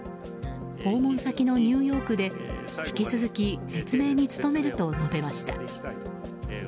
訪問先のニューヨークで引き続き説明に努めると述べました。